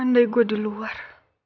andai gue di luar